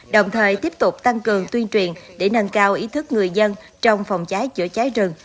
đồng thời tiếp tục tăng cường tuyên truyền để nâng cao ý thức người dân trong phòng cháy chữa cháy rừng